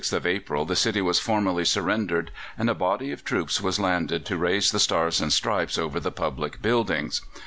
] On the 26th of April the city was formally surrendered, and a body of troops was landed to raise the Stars and Stripes over the public buildings.